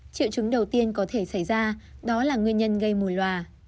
triệu chứng đầu tiên có thể xảy ra đó là nguyên nhân gây mùi loà